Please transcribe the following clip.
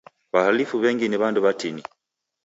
W'ahalifu w'engi ni w'andu w'atini.